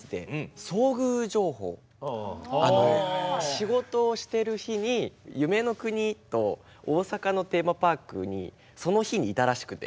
仕事をしてる日に夢の国と大阪のテーマパークにその日にいたらしくて。